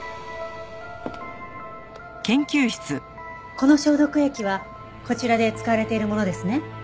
この消毒液はこちらで使われているものですね。